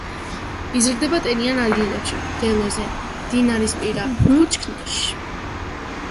იზრდება ტენიან ადგილებში, მდელოზე, მდინარისპირა ბუჩქნარში.